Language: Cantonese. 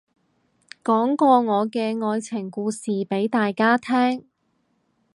講個我嘅愛情故事俾大家聽